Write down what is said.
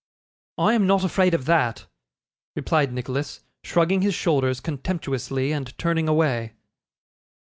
'I am not afraid of that,' replied Nicholas, shrugging his shoulders contemptuously, and turning away.